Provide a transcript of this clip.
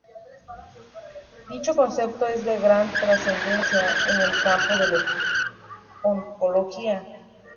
Dicho concepto es de gran trascendencia en el campo de la oncología.